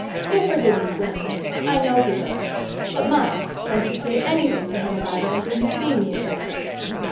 He'll forgive you for me. I know he will, but mind, don't you say anything to him about it until you've seen me again."